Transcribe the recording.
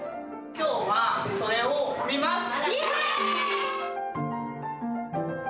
今日はそれを見ます。